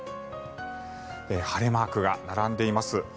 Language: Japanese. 晴れマークが並んでいます。